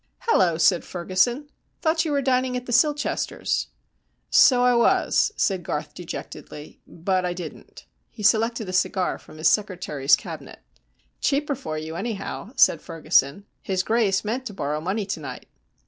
"Hallo!" said Ferguson. "Thought you were dining at the Silchesters'." "So I was," said Garth, dejectedly, "but I didn't." He selected a cigar from his secretary's cabinet. "Cheaper for you, anyhow," said Ferguson. "His Grace meant to borrow money to night."